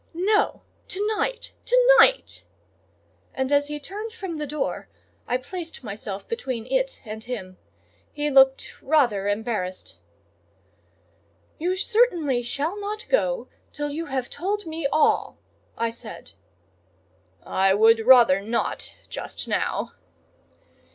"No; to night!—to night!" and as he turned from the door, I placed myself between it and him. He looked rather embarrassed. "You certainly shall not go till you have told me all," I said. "I would rather not just now."